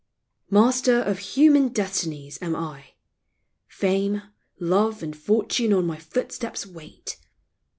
Master of human destinies am I. Fame, love, and fortune on my footsteps wait.